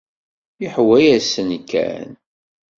Yehwa-yasen kan.